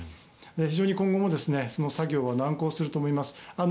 非常に今後も作業は難航すると思います。